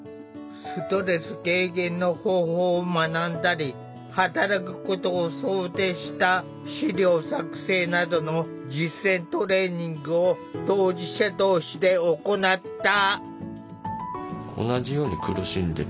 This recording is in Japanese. ストレス軽減の方法を学んだり働くことを想定した資料作成などの実践トレーニングを当事者同士で行った。